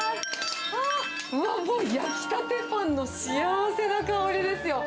あー、うわっ、焼きたてパンの幸せな香りですよ。